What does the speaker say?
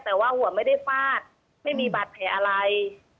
แต่ว่าหัวไม่ได้ฟาดไม่มีบาดแผลอะไร